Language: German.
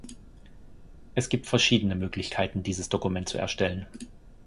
Es gibt verschiedene Möglichkeiten dieses Dokument zu erstellen.